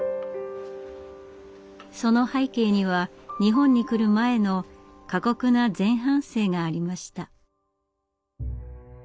その背景には日本に来る前の過酷な前半生がありました。